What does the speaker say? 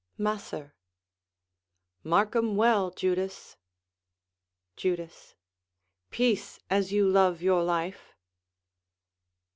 _] Macer Mark 'em well, Judas. Judas Peace, as you love your life.